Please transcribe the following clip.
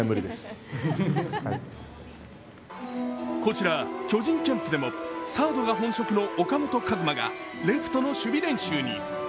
こちら巨人キャンプでもサードが本職の岡本和真がレフトの守備練習に。